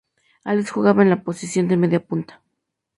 Albis jugaba en la posición de mediapunta.